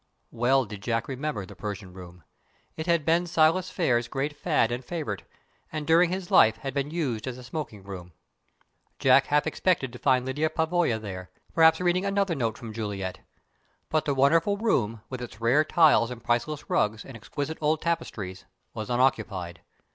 Well did Jack remember the Persian room! It had been Silas Phayre's great fad and favourite, and during his life had been used as a smoking room. Jack half expected to find Lyda Pavoya there, perhaps reading another note from Juliet; but the wonderful room, with its rare tiles and priceless rugs and exquisite old tapestries, was unoccupied.